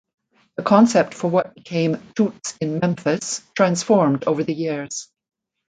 The concept for what became "Toots in Memphis" transformed over the years.